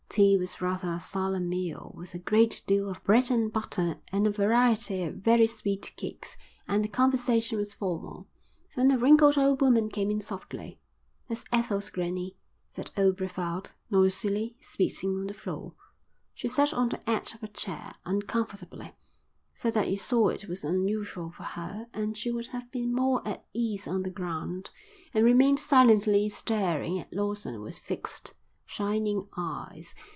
Tea was rather a solemn meal, with a great deal of bread and butter and a variety of very sweet cakes, and the conversation was formal. Then a wrinkled old woman came in softly. "That's Ethel's granny," said old Brevald, noisily spitting on the floor. She sat on the edge of a chair, uncomfortably, so that you saw it was unusual for her and she would have been more at ease on the ground, and remained silently staring at Lawson with fixed, shining eyes.